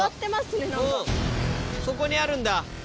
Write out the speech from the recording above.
そこにあるんだ。